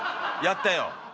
やったよ。